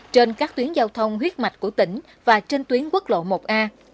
trên các tuyến giao thông huyết mạch của tỉnh và trên tuyến quốc lộ một a